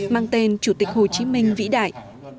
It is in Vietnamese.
mang tên chủ tịch hồ chí minh vĩ đại